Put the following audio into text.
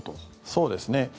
そうですね。